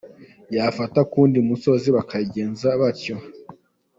Yafata ku w’undi musozi bakayigenza batyo.